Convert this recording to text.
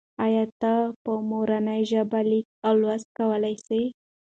آیا ته په مورنۍ ژبه لیکل او لوستل کولای سې؟